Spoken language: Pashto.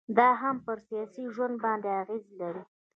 دا هم پر سياسي ژوند باندي اغيزي لري